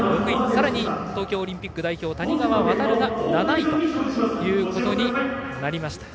さらに東京オリンピック代表谷川航が７位ということになりました。